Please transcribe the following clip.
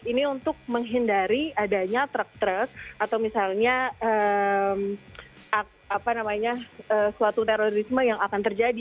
ini untuk menghindari adanya truk truk atau misalnya suatu terorisme yang akan terjadi